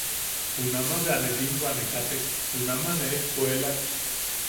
Junama bea ne binwa ne katek, nama ne ejkuelak.